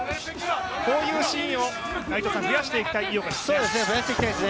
こういうシーンを増やしていきたい井岡ですね。